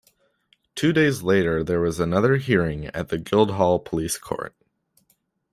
Two days later there was another hearing at the Guildhall police court.